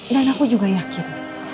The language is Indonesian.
dan aku juga yakin